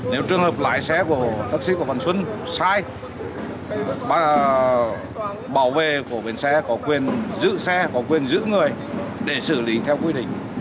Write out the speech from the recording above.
nếu trường hợp lái xe của taxi của văn xuân sai ba bảo vệ của bến xe có quyền giữ xe có quyền giữ người để xử lý theo quy định